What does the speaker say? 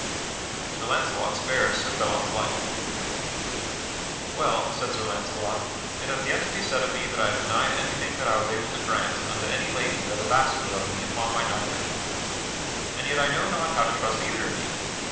[Sidenote: Sir Launcelot spares Sir Phelot's life] "Well," said Sir Launcelot, "it hath yet to be said of me that I have denied anything that I was able to grant unto any lady that hath asked it of me upon my knighthood. And yet I know not how to trust either of ye.